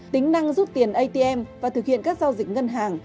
tính năng rút tiền atm và thực hiện các giao dịch ngân hàng